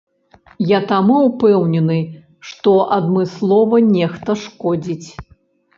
Я таму ўпэўнены, што адмыслова нехта шкодзіць.